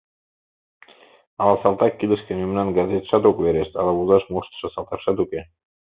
Ала салтак кидышке мемнан газетшат ок верешт, ала возаш моштышо салтакшат уке?